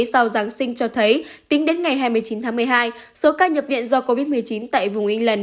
sau giáng sinh cho thấy tính đến ngày hai mươi chín tháng một mươi hai số ca nhập viện do covid một mươi chín tại vùng england